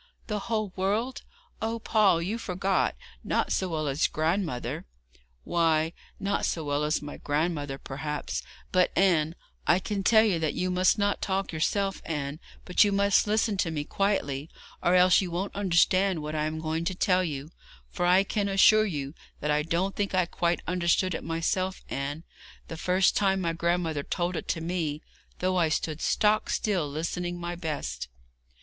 'The whole world! Oh, Paul, you forgot. Not so well as my grandmother.' 'Why, not so well as my grandmother, perhaps; but, Anne, I can tell you that you must not talk yourself, Anne, but you must listen to me quietly, or else you won't understand what I am going to tell you; for I can assure you that I don't think I quite understood it myself, Anne, the first time my grandmother told it to me, though I stood stock still listening my best.'